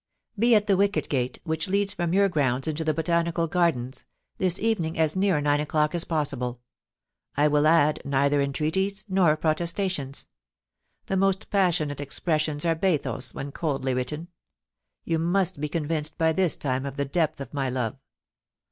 *Bc at the wicket gate, which leads from your grounds into the Botanical Gardens, this evening as near nine o'clock THE TRYST BY THE BAMBOOS. 263 as possible. I will add neither entreaties nor protestations. The most passionate expressions are bathos when coldly written. You must be convinced by this time of the depth of my love.